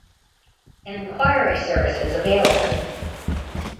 An Enquiry service is available.